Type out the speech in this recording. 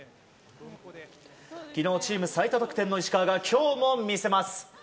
昨日、チーム最多得点の石川が今日も魅せます。